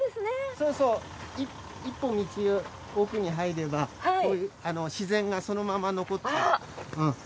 そうそう１本道を奥に入ればこういう自然がそのまま残ってます。